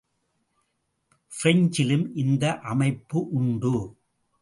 பிரெஞ்சிலும் இந்த அமைப்பு உண்டு.